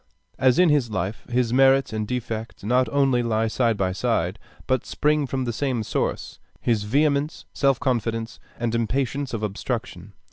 As in his life, his merits and defects not only lie side by side, but spring from the same source, his vehemence, self confidence, and impatience of obstruction.